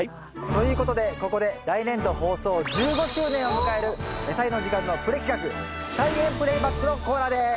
ということでここで来年度放送１５周年を迎える「やさいの時間」のプレ企画「菜園プレイバック」のコーナーです。